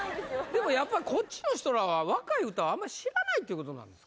でもやっぱこっちの人らは若い歌あんま知らないっていうことなんですかね